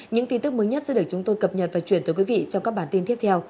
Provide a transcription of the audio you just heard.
những tin tức mới nhất sẽ được chúng tôi cập nhật và chuyển tới quý vị trong các bản tin tiếp theo